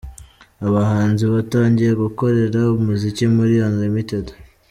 Abahanzi batangiye gukorera umuziki muri Unlimited.